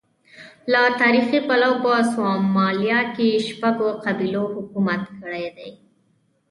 له تاریخي پلوه په سومالیا کې شپږو قبیلو حکومت کړی دی.